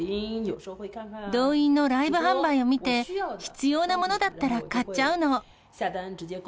ドウインのライブ販売を見て、必要なものだったら買っちゃうの。